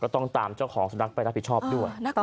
ต้องตามเจ้าของสุนัขไปรับผิดชอบด้วย